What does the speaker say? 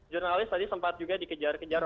jurnalis tadi sempat juga dikejar kejar